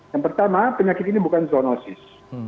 yang pertama penyakit ini bukan zoonosis